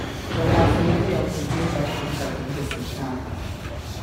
做呀四都有自己想點就點既時間